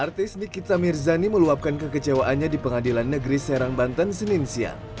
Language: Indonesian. artis nikita mirzani meluapkan kekecewaannya di pengadilan negeri serang banten senin siang